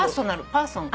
パーソン。